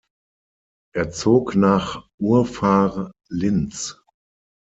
Er zog nach Urfahr-Linz.